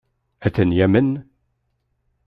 Ad ten-yamen?